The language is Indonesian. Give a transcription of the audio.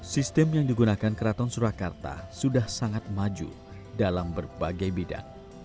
sistem yang digunakan keraton surakarta sudah sangat maju dalam berbagai bidang